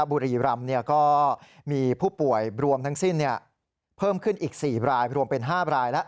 บุรีรำก็มีผู้ป่วยรวมทั้งสิ้นเพิ่มขึ้นอีก๔รายรวมเป็น๕รายแล้ว